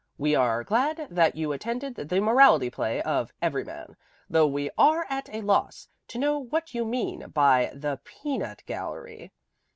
We are glad that you attended the Morality play of "Everyman," though we are at a loss to know what you mean by the "peanut gallery."